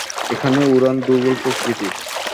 এদের উড়ান দূর্বল প্রকৃতির।